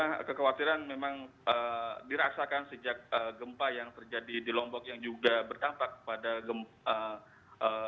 nah kekhawatiran memang dirasakan sejak gempa yang terjadi di lombok yang juga berdampak pada gempa